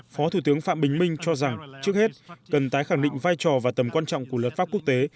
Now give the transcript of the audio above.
phó thủ tướng phạm bình minh cho rằng trước hết cần tái khẳng định vai trò và tầm quan trọng của luật pháp quốc tế